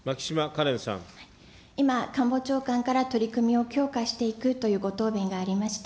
今、官房長官から取り組みを強化していくというご答弁がありました。